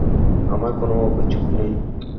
আমার কোন অভিযোগ নেই।